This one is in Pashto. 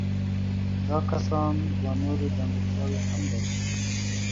دا کسان دوه نورې ځانګړتیاوې هم لري.